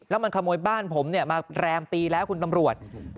แล้วมันขโมยบ้านผมมาแรมปีแล้วคุณตำรวจ